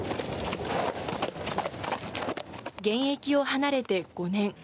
現役を離れて５年。